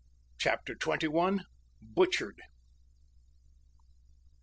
CHAPTER TWENTY ONE. BUTCHERED.